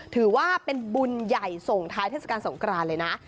ถือว่าเป็นบุญใหญ่ส่งท้ายเทศกาลสงครานเลยนะ